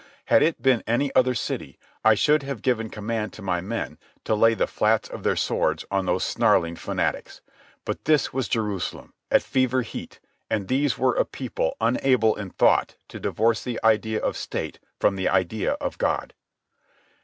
Had it been any other city, I should have given command to my men to lay the flats of their swords on those snarling fanatics. But this was Jerusalem, at fever heat, and these were a people unable in thought to divorce the idea of State from the idea of God.